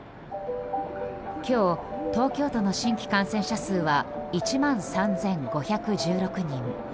今日、東京都の新規感染者数は１万３５１６人。